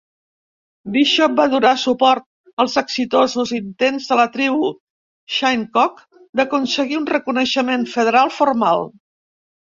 Bishop va donar suport als exitosos intents de la tribu shinnecock d'aconseguir un reconeixement federal formal.